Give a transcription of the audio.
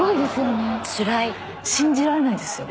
信じられないですよ。